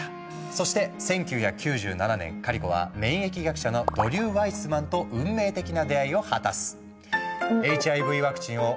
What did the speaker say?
そして１９９７年カリコは免疫学者のドリュー・ワイスマンと運命的な出会いを果たす。